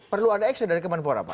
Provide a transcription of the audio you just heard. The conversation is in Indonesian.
perlu ada action dari kemenpora pak